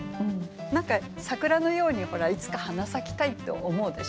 何か桜のようにほらいつか花咲きたいって思うでしょう？